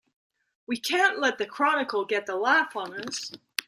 We can't let the Chronicle get the laugh on us!